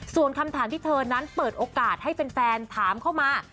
ส่วนคำถามที่เธอนั้นเปิดโอกาสให้แฟนถามเข้ามา